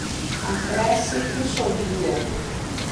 Acresce que chovia